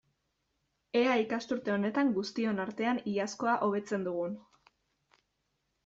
Ea ikasturte honetan, guztion artean, iazkoa hobetzen dugun!